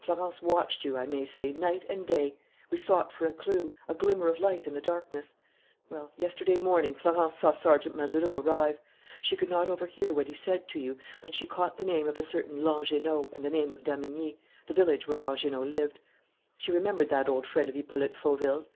"Florence watched you, I may say, night and day. We sought for a clue, a glimmer of light in the darkness.... Well, yesterday morning, Florence saw Sergeant Mazeroux arrive. She could not overhear what he said to you, but she caught the name of a certain Langernault and the name of Damigni, the village where Langernault lived. She remembered that old friend of Hippolyte Fauville's.